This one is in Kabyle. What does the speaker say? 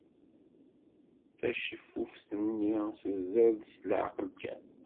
Tacifuft-nni tuder-d s leɛqel kan.